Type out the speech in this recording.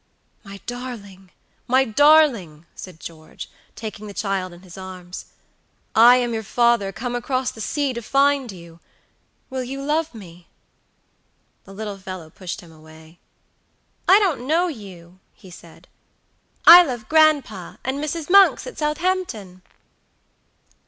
"My darling! my darling!" said George, taking the child in his arms, "I am your father, come across the sea to find you. Will you love me?" The little fellow pushed him away. "I don't know you," he said. "I love grandpa and Mrs. Monks at Southampton."